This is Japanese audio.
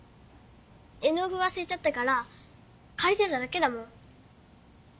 絵の具わすれちゃったからかりてただけだもん。